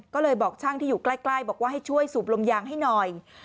ก็เลยบอกช่างที่อยู่ใกล้บอกว่าให้ช่วยสูบลมยางให้หน่อย